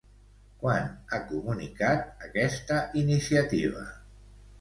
Quan ha comunicat aquesta iniciativa?